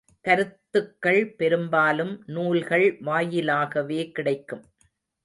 கருத்துக்கள் பெரும்பாலும் நூல்கள் வாயிலாகவே கிடைக்கும்.